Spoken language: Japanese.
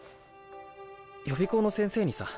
予備校の先生にさ